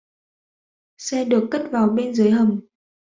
Xe được cất vào bên dưới hầm